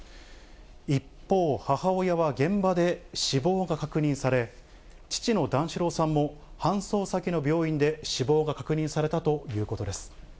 一方、母親は現場で死亡が確認され、父の段四郎さんも搬送先の病院で死亡が確認されたということです。